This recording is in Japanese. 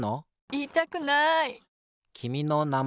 いいたくない。